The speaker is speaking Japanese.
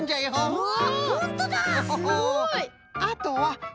うわ！